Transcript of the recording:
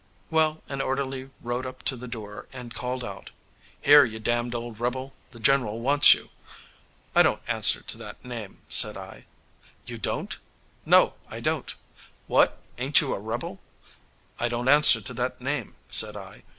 Well, an orderly rode up to the door and called out, 'Here, you damned old rebel, the general wants you.' 'I don't answer to that name,' said I. 'You don't?' 'No, I don't.' 'What! ain't you a rebel?' ' I don't answer to that name,' said I.